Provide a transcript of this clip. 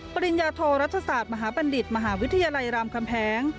ปริญญาโทรัฐศาสตร์มหาบัณฑิตมหาวิทยาลัยรามคำแพง